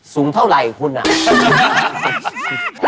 สูงเท่าไหร่คุณอ่ะ